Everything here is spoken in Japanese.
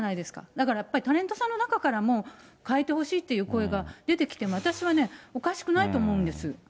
だからやっぱりタレントさんの中からも変えてほしいっていう声が出てきても、私はね、おかしくないと思うんです。